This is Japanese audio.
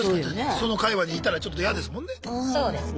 その界わいにいたらちょっと嫌ですもんね。